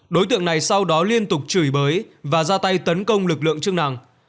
đối tượng này sau đó liên tục chửi bới và ra tay tấn công lực lượng chức năng